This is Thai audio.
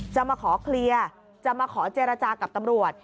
จะมาขอเคลียร์จะมาขอเจรจากับตำรวจ